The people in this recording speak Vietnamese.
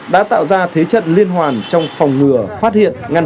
đã tạo ra thế chất liên hoàn trong phòng ngừa phát hiện